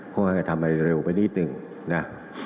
ก็ให้ทำอะไรเร็วไปนิดหนึ่งนะ